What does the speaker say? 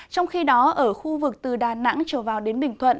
trong khi đó ở khu vực từ đà nẵng trở vào đến bình thuận